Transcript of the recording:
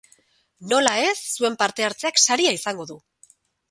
Nola ez, zuen parte hartzeak saria izango du.